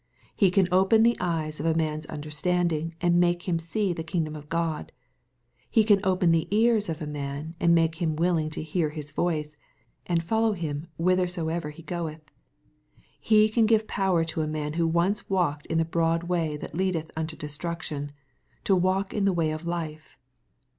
He can open the eyes of a man's under standing and make him see the kingdom of God. He can open the ears of a man and make him willing to hear His voice, and follow Him whithersoever He goeth. He can give power to a man who once walked in the broad way that leadeth unto destruction, to walk in the way of life.